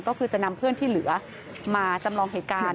ก็คือจะนำเพื่อนที่เหลือมาจำลองเหตุการณ์